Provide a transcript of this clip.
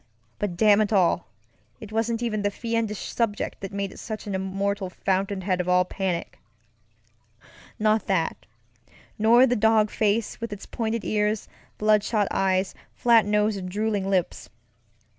But, damn it all, it wasn't even the fiendish subject that made it such an immortal fountain head of all panicŌĆönot that, nor the dog face with its pointed ears, bloodshot eyes, flat nose, and drooling lips.